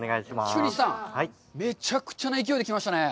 菊西さん、めちゃくちゃな勢いで来ましたね。